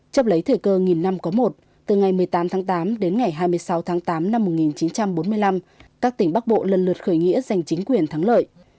trong lấy thời cơ nghìn năm có một từ ngày một mươi tám tháng tám đến ngày hai mươi sáu tháng tám năm một nghìn chín trăm bốn mươi năm các tỉnh bắc bộ lần lượt khởi nghĩa giành chính quyền thắng lợi